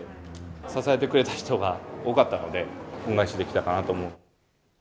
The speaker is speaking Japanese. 支えてくれた人が多かったので、恩返しできたかなと思う。